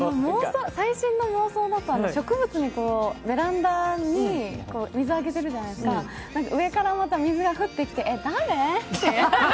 最新の妄想だと、ベランダの植物に水あげてるじゃないですか、上から水が降ってきて、誰？